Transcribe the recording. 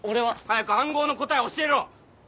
早く暗号の答えを教えろ！